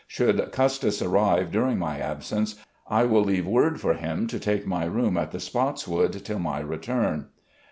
Should Custis arrive during my absence, I will leave word for him to take my room at the Spotswood till my return.